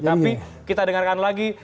tapi kita dengarkan lagi